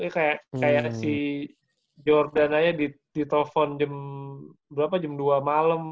kayak si jordan aja ditelepon jam berapa jam dua malam